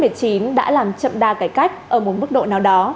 đại dịch covid một mươi chín đã làm chậm đa cải cách ở một mức độ nào đó